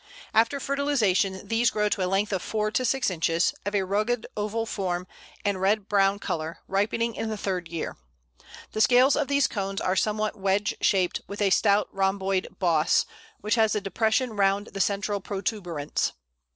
After fertilization, these grow to a length of four to six inches, of a rugged oval form and red brown colour, ripening in the third year. The scales of these cones are somewhat wedge shaped, with a stout rhomboid boss, which has a depression round the central protuberance.